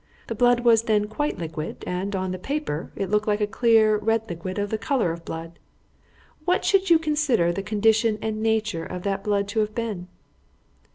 The blood was then quite liquid, and, on the paper, it looked like a clear, red liquid of the colour of blood. What should you consider the condition and nature of that blood to have been?"